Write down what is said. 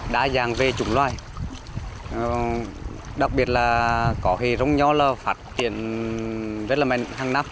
đa dạng về chủng loài đặc biệt là có hề rong nho là phát triển rất là mạnh hàng năm